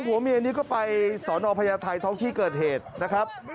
ผัวเมียนี้ก็ไปสอนอพญาไทยท้องที่เกิดเหตุนะครับ